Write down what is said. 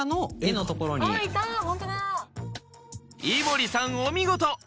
井森さんお見事！